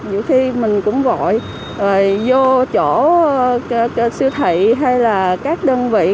nhiều khi mình cũng gọi vô chỗ siêu thị hay là các đơn vị